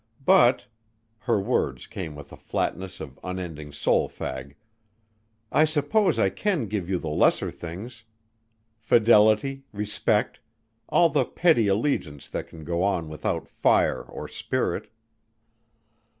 But " her words came with the flatness of unending soul fag "I suppose I can give you the lesser things; fidelity, respect; all the petty allegiance that can go on without fire or spirit."